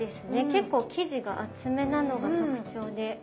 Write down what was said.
結構生地が厚めなのが特徴で。